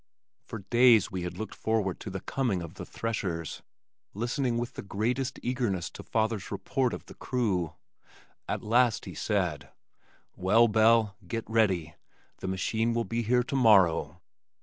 For days we had looked forward to the coming of "the threshers," listening with the greatest eagerness to father's report of the crew. At last he said, "Well, Belle, get ready. The machine will be here tomorrow."